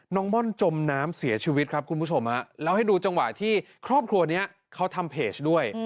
น้องม่อนจมน้ำเสียชีวิตแล้วดูอาจจะว่าครอบครัวทำเพจด้วย